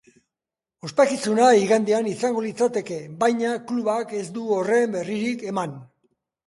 Ospakizuna igandean izango litzateke, baina klubak ez du horren berririk eman.